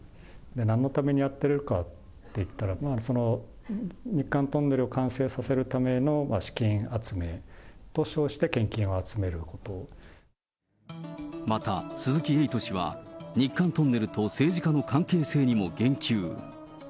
なんのためにやってるかっていったら、日韓トンネルを完成させるための資金集めと称して献金を集めるこまた鈴木エイト氏は、日韓トンネルと政治家の関係性にも言及。